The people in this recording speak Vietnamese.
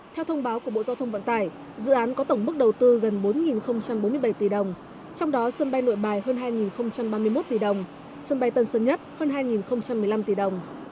theo thông báo của bộ giao thông vận tải dự án có tổng mức đầu tư gần bốn bốn mươi bảy tỷ đồng trong đó sân bay nội bài hơn hai ba mươi một tỷ đồng sân bay tân sơn nhất hơn hai một mươi năm tỷ đồng